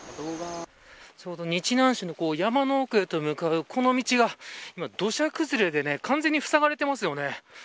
ちょうど日南市の山の奥へと向かうこの道が土砂崩れで完全にふさがれていますよね。